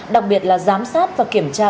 đặc biệt là giám sát và kiểm tra